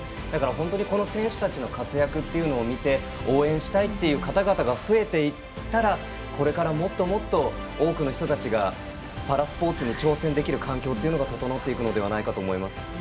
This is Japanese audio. だから、この選手たちの活躍というのを見て応援したいという方々が増えていったらこれからもっともっと多くの人たちがパラスポーツに挑戦できる環境というのが整っていくのではないかと思います。